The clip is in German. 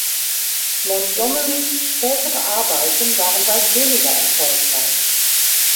Montgomerys spätere Arbeiten waren weit weniger erfolgreich.